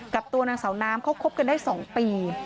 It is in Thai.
กับตัวนางสาวน้ำเขาคบกันได้๒ปี